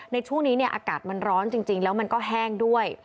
ในช่วงนี้เนี่ยอากาศมันร้อนจริงแล้วมันก็แห้งด้วย